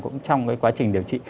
cũng trong cái quá trình điều trị